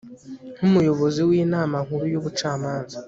nk Umuyobozi w Inama Nkuru y Ubucamanza